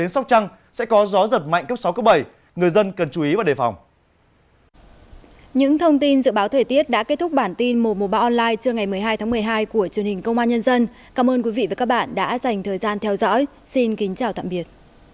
xin kính chào tạm biệt